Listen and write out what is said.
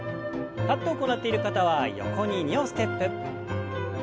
立って行っている方は横に２歩ステップ。